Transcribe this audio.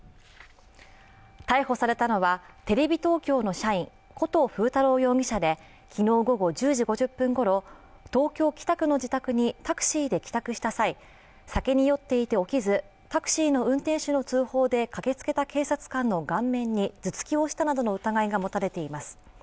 逮捕されたのはテレビ東京の社員、古東風太郎容疑者で、昨日午後１０時５０分ころ、東京・北区の自宅にタクシーで帰宅した際酒に酔っていて起きずタクシーの運転手の通報で駆けつけた警察官の顔面に頭突きをしたなどの疑いが持たれています。